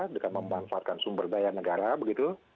dengan memanfaatkan sumber daya negara begitu